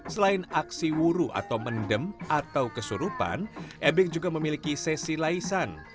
selain aksi wuru atau mendem atau kesurupan ebek juga memiliki sesi laisan